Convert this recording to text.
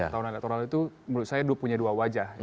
tahunan elektoral itu menurut saya punya dua wajah